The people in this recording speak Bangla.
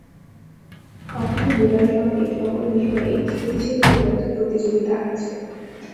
অথচ লীলার সঙ্গে সকল বিষয়েই সতীশের খুব একটা প্রতিযোগিতা আছে।